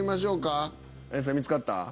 見つかった？